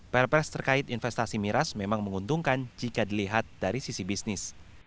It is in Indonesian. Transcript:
perpres terkait investasi miras memang menguntungkan jika dilihat dari sisi bisnis